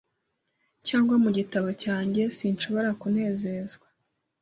Cyangwa mu gitabo cyanjye sinshobora kunezezwa